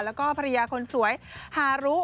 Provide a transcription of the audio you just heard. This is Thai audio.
แล้วก็ภรรยาคนสวยฮารุ